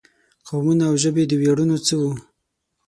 قومونه او ژبې د ویاړونو څه وو.